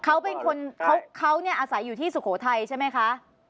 เขาเป็นคนเขาเนี่ยอาศัยอยู่ที่สุโขทัยใช่ไหมคะ